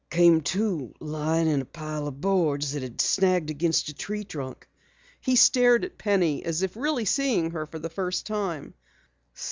Came to lying in a pile of boards that had snagged against a tree trunk." He stared at Penny as if really seeing her for the first time.